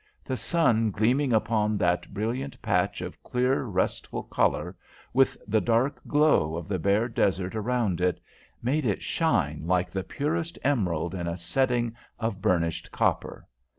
The sun gleaming upon that brilliant patch of clear, restful colour, with the dark glow of the bare desert around it, made it shine like the purest emerald in a setting of burnished copper.